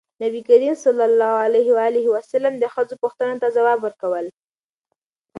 نبي ﷺ د ښځو پوښتنو ته ځواب ورکول.